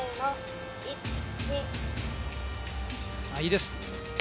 いいです。